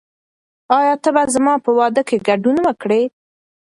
آیا ته به زما په واده کې ګډون وکړې؟